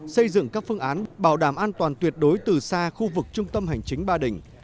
xây dựng các phương án bảo đảm an toàn tuyệt đối từ xa khu vực trung tâm hành chính ba đình